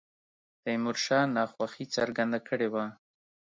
تیمور شاه ناخوښي څرګنده کړې وه.